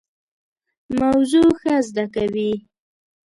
موضوع ښه زده کوي.